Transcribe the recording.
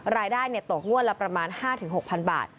รายได้ตกงวดละประมาณ๕๖๐๐๐บาท